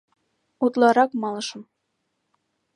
— Утларак малышым...